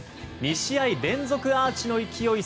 ２試合連続アーチの勢い